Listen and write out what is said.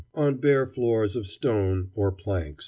], on bare floors of stone or planks.